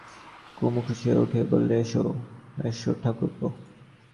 কুমু খুশি হয়ে উঠে বললে, এসো, এসো ঠাকুরপো।